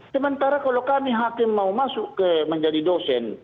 sementara kalau kami hakim mau masuk menjadi dosen